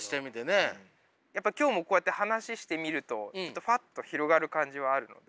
やっぱ今日もこうやって話してみるとふぁっと広がる感じはあるので。